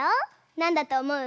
なんだとおもう？